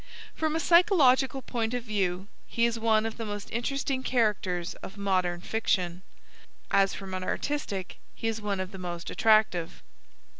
From a psychological point of view he is one of the most interesting characters of modem fiction, as from an artistic he is one of the most attractive.